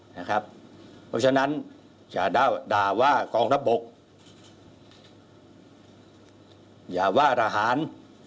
เพราะฉะนั้นอย่าด่าว่ากองทัพบกอย่าว่าทหาร